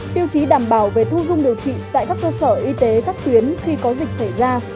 tiêu chí đảm bảo về thu dung điều trị tại các cơ sở y tế các tuyến khi có dịch xảy ra